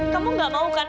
kamu gak mau kan